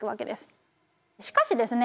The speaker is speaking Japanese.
しかしですね